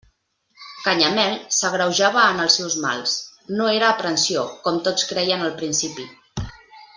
Canyamel s'agreujava en els seus mals: no era aprensió, com tots creien al principi.